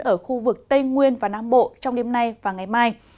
ở khu vực tây nguyên và nam bộ trong đêm nay và ngày mai